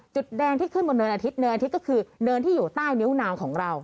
จุดแดงที่ขึ้นบนเนินอาทิตยเนินอาทิตย์ก็คือเนินที่อยู่ใต้นิ้วนางของเรา